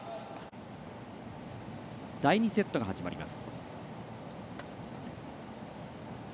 第２セットが始まります。